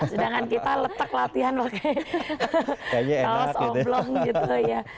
sedangkan kita letak latihan pakai kalos oblong gitu ya